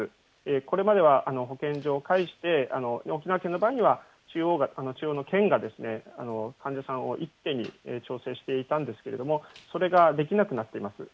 これまでは保健所を介して、沖縄県の場合には、中央の県が患者さんを一手に調整していたんですけれども、それができなくなっています。